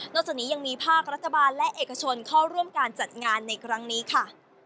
จากนี้ยังมีภาครัฐบาลและเอกชนเข้าร่วมการจัดงานในครั้งนี้ค่ะ